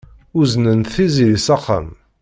Uznent Tiziri s axxam.